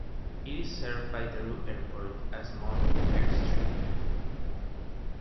It is served by Daru Airport, a small airstrip.